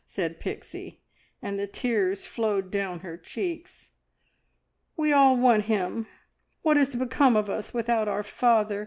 said Pixie, and the tears flowed down her cheeks. "We all want him. What is to become of us without our father?